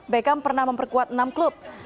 beckham pernah memperkuat enam klub